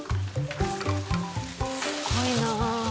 すごいなあ。